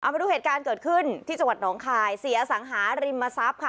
มาดูเหตุการณ์เกิดขึ้นที่จังหวัดหนองคายเสียสังหาริมทรัพย์ค่ะ